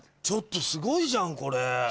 ちょっとすごいじゃんこれ。